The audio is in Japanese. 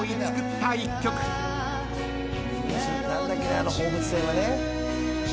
あの放物線はね。